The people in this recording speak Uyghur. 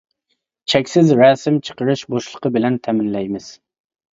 چەكسىز رەسىم چىقىرىش بوشلۇقى بىلەن تەمىنلەيمىز.